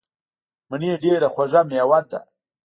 مڼې ډیره خوږه میوه ده.